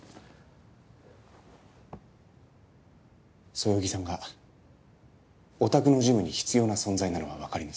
そよぎさんがお宅のジムに必要な存在なのはわかります。